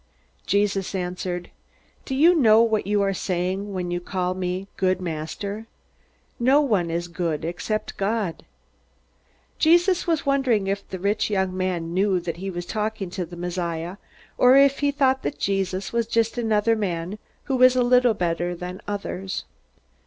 Jesus answered: "Do you know what you are saying when you call me 'Good Master'? No one is good except God." Jesus was wondering if the rich young man knew that he was talking to the Messiah, or if he thought that Jesus was just a man who was a little better than others.